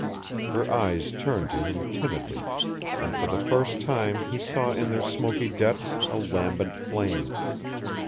Her eyes turned to him timidly, and for the first time he saw in their smoky depths a lambent flame.